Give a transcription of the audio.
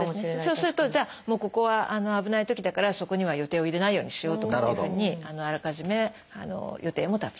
そうするとじゃあもうここは危ないときだからそこには予定を入れないようにしようとかというふうにあらかじめ予定も立つと。